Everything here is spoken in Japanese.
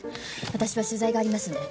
私は取材がありますんで。